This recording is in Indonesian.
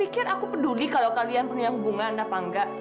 aku peduli kalau kalian punya hubungan apa enggak